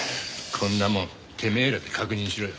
こんなもんてめえらで確認しろよ。